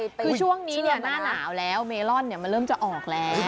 คือช่วงนี้หน้าหนาวแล้วเมลอนมันเริ่มจะออกแล้ว